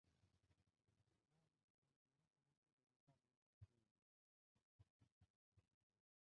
मैं उस पर पूरी तरह से भरोसा नहीं करती।